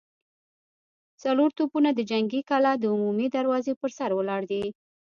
څلور توپونه د جنګي کلا د عمومي دروازې پر سر ولاړ دي.